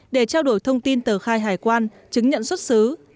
để trao đổi thông tin tờ khai hải quan chứng nhận xuất xứ